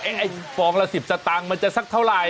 ไอ้ฟองละ๑๐สตางค์มันจะสักเท่าไหร่